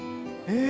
え！